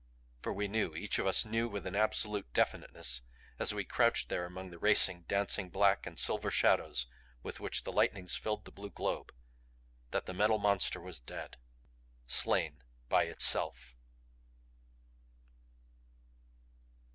For we knew each of us knew with an absolute definiteness as we crouched there among the racing, dancing black and silver shadows with which the lightnings filled the blue globe that the Metal Monster was dead. Slain by itself!